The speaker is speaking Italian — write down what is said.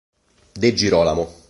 De Girolamo